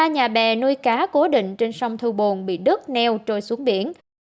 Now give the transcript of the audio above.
ba nhà bè nuôi cá cố định trên sông thư bồn bị đứt neo trôi xuống biển